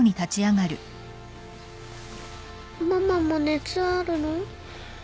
ママも熱あるの？